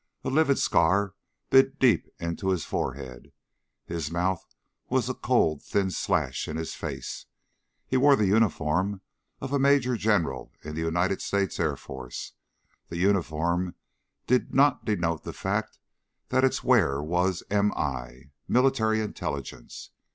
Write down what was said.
A livid scar bit deep into his forehead; his mouth was a cold thin slash in his face. He wore the uniform of a Major General in the United States Air Force. The uniform did not denote the fact that its wearer was M.I. Military Intelligence.